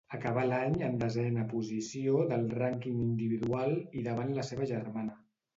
Acabà l'any en desena posició del rànquing individual i davant la seva germana.